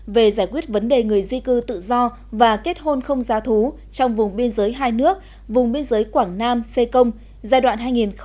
về giải quyết vấn đề người di cư tự do và kết hôn không giá thú trong vùng biên giới hai nước vùng biên giới quảng nam xê công giai đoạn hai nghìn một mươi sáu hai nghìn hai mươi